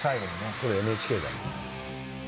これＮＨＫだね。